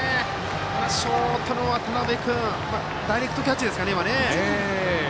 ショートの渡邊君ダイレクトキャッチですかね。